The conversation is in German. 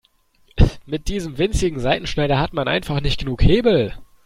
Mit diesem winzigen Seitenschneider hat man einfach nicht genug Hebel.